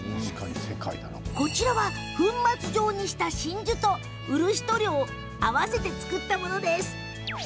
こちらは、粉末状にした真珠と漆塗料を合わせて作ったものです。